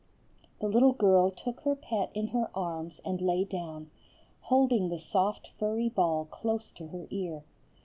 The little girl took her pet in her arms and lay down, holding the soft furry ball close to her ear.